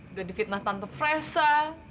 udah difitnah tante fresa